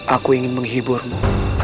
aku ingin menghiburmu